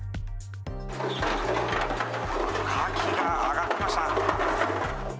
カキが揚がりました。